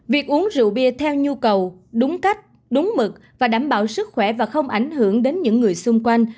việc uống rượu bia theo nhu cầu đúng cách đúng mực và đảm bảo sức khỏe và không ảnh hưởng đến những người xung quanh